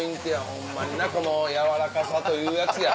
ホンマになこのやわらかさというやつや。